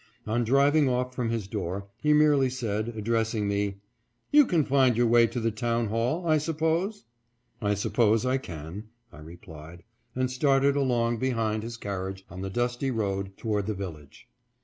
On driving off from his door, he merely said, addressing me, " You can find your way to the town hall, I suppose ?" "I suppose I can," I replied, and started along behind his carriage on the dusty road toward the village.